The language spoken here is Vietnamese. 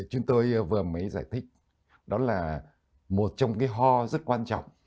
chúng tôi vừa mới giải thích đó là một trong cái ho rất quan trọng